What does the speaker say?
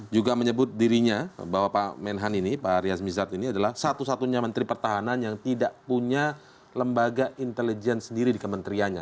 juga menyebut dirinya bahwa pak menhan ini pak rias mizat ini adalah satu satunya menteri pertahanan yang tidak punya lembaga intelijen sendiri di kementeriannya